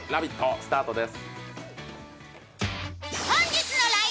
スタートです。